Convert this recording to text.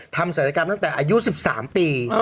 ศัลยกรรมตั้งแต่อายุ๑๓ปี